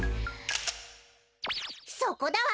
そこだわ！